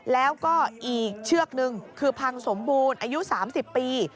แล้วก็อีกเชือกนึงคือพังสมบูรณ์อายุ๓๐ปี